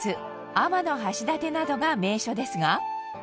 天橋立などが名所ですが。